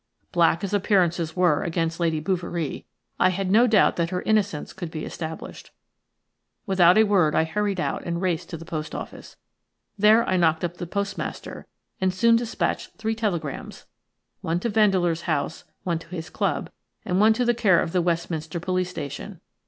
Black as appearances were against Lady Bouverie, I had no doubt that her innocence could be established. Without a word I hurried out and raced to the post office. There I knocked up the postmaster and soon dispatched three telegrams – one to Vandeleur's house, one to his club, and one to the care of the Westminster police station.